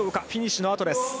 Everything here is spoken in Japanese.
フィニッシュのあと。